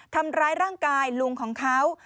ทำร้ายร่างกายลุงของเขา